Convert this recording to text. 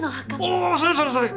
おぉそれそれそれ！